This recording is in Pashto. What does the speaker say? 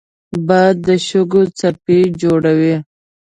باد د شګو څپې جوړوي